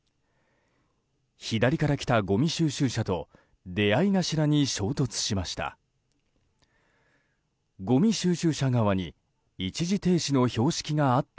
左から来た、ごみ収集車と出会い頭に衝突しました。